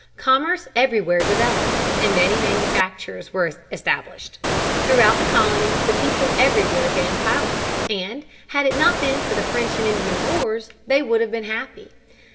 Commerce everywhere developed, and many manufactures were established. Throughout the colonies the people everywhere gained power, and had it not been for the French and Indian wars they would have been happy.